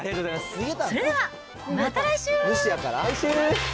それでは、また来週。